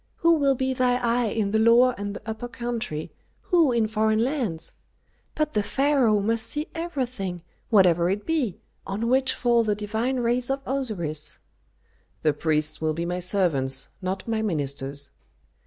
Who will be thy eye in the Lower and the Upper Country, who in foreign lands? But the pharaoh must see everything, whatever it be, on which fall the divine rays of Osiris." "The priests will be my servants, not my ministers."